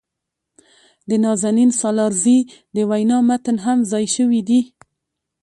د نازنین سالارزي د وينا متن هم ځای شوي دي.